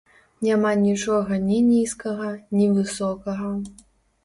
Няма нічога ні нізкага, ні высокага.